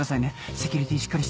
セキュリティーしっかりして。